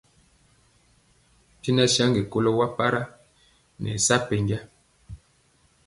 Bɛnja saŋgi kɔlo waa bi para nɛ sa penja.